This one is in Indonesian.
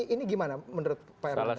ini gimana menurut pak erlangga